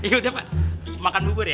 yaudah pak makan bubur ya